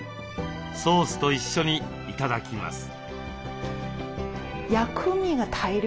ソースと一緒に頂きます。